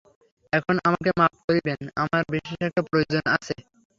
এখন আমাকে মাপ করিবেন–আমার বিশেষ একটা প্রয়োজন আছে।